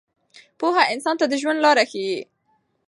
پوهه انسان ته د ژوند لاره ښیي.